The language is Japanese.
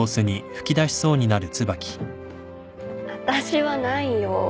私はないよ。